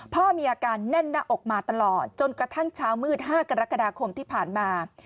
พ่อมีอาการแน่นหน้าอกมาตลอดจนกระทั่งเช้ามืด๕กรกฎาคมที่ผ่านมา